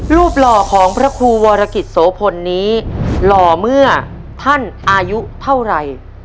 หล่อของพระครูวรกิจโสพลนี้หล่อเมื่อท่านอายุเท่าไหร่